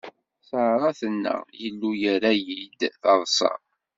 Ṣara tenna: Illu yerra-yi d taḍṣa.